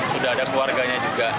sudah ada keluarganya juga